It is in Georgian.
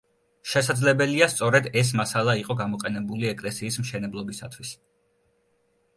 შესაძლებელია სწორედ ეს მასალა იყო გამოყენებული ეკლესიის მშენებლობისათვის.